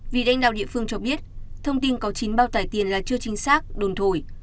vì lãnh đạo địa phương cho biết thông tin có chính bao tài tiền là chưa chính xác đồn thổi